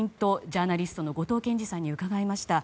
ジャーナリストの後藤謙次さんに伺いました。